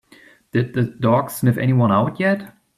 Did the dog sniff anyone out yet?